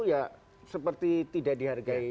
ya seperti tidak dihargai